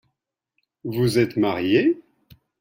Vous êtes marié ?